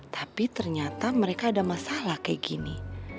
tapi ternyata mereka ada masalah kayak gini